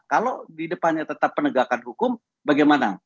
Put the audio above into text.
kalau di depannya tetap penegakan hukum bagaimana